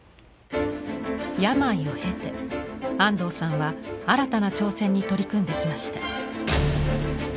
病を経て安藤さんは新たな挑戦に取り組んできました。